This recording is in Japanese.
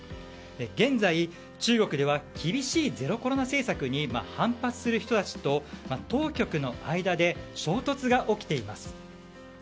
現在、中国では厳しいゼロコロナ政策に反発する人たちと当局の間で衝突が起きています。